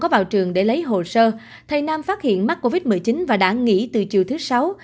vào trường để lấy hồ sơ thầy nam phát hiện mắc covid một mươi chín và đã nghỉ từ chiều thứ sáu